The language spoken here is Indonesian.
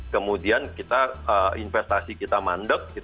kemudian investasi kita mandek